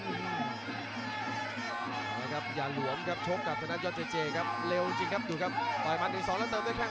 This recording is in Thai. อย่าหลวมครับชกกับตัวนั้นยอดเจเจเร็วจริงครับดูกับต่อมา๑๒แล้วเติมด้วยแค่ง